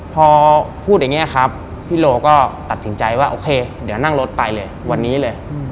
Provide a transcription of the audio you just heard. พอพูดอย่างนี้ครับพี่โลก็ตัดสินใจว่าโอเคเดี๋ยวนั่งรถไปเลยวันนี้เลย